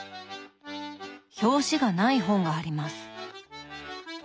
表紙がない本があります。